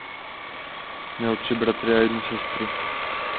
Měl tři bratry a jednu sestru.